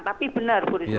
jadi mengapakan auto truk